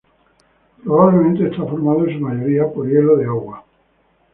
Probablemente está formado en su mayoría por hielo de agua.